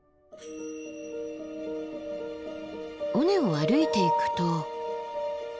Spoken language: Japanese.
尾根を歩いていくと。